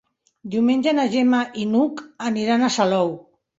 Diumenge na Gemma i n'Hug aniran a Salou.